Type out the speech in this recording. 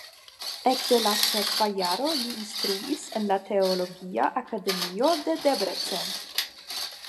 Ekde la sekva jaro li instruis en la Teologia Akademio de Debrecen.